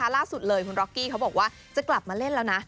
ล่าสุดเลยคุณร็อกกี้เขาบอกว่าจะกลับมาเล่นแล้วนะ